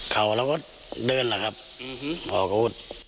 เข่าแล้วก็เดินละครับพอพูด